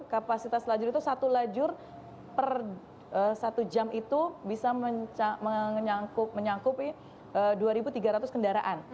kapasitas lajur itu satu lajur per satu jam itu bisa menyangkupi dua tiga ratus kendaraan